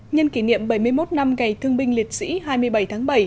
nhân kỷ niệm bảy mươi một năm ngày thương binh liệt sĩ hai mươi bảy tháng bảy